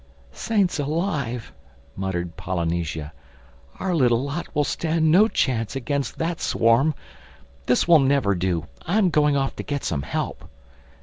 "Saints alive!" muttered Polynesia, "our little lot will stand no chance against that swarm. This will never do. I'm going off to get some help."